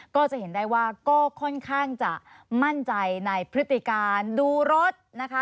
ก็จะเห็นได้ว่าก็ค่อนข้างจะมั่นใจในพฤติการดูรถนะคะ